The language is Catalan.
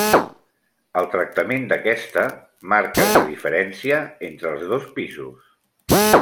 El tractament d'aquesta marca una diferència entre els dos pisos.